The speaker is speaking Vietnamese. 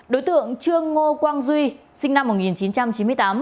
đối tượng trương ngô quang duy sinh năm một nghìn chín trăm chín mươi tám